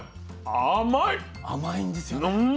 甘いんですよね。